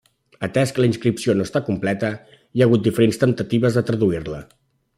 Atès que la inscripció no està completa, hi ha hagut diferents temptatives de traduir-la.